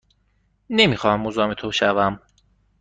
نمی خواهم مزاحم تو شوم.